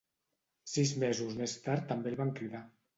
Sis mesos més tard també el van cridar.